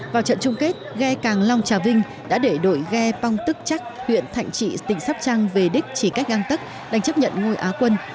vào trận chung kết ghe càng long trà vinh đã để đội ghe pong tức chắc huyện thạnh trị tỉnh sóc trăng về đích chỉ cách găng tức đánh chấp nhận ngôi á quân